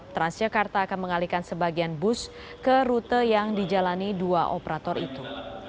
transjakarta akan mengalihkan sebagian bus ke rute yang dijalani dua operator itu